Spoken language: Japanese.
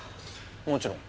もちろん。